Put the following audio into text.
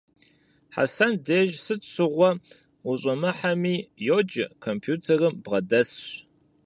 Хьэсэн деж сыт щыгъуэ ущӀэмыхьэми, йоджэ, компьютерым бгъэдэсщ.